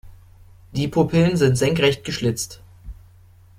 Die Pupillen sind senkrecht geschlitzt.